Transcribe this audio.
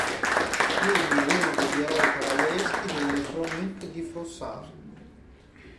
Egli è uno degli eroi cavallereschi delle "Chroniques" di Froissart.